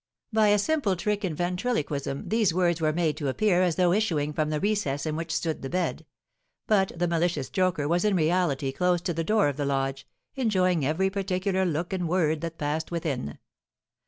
By a simple trick in ventriloquism, these words were made to appear as though issuing from the recess in which stood the bed; but the malicious joker was in reality close to the door of the lodge, enjoying every particular look and word that passed within.